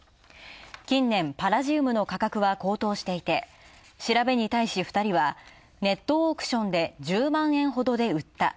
近年、パラジウムの価格は高騰していて調べに対し、２人はネットオークションで１０万円ほどで売った。